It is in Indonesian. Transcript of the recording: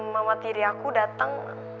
mama tiri aku dateng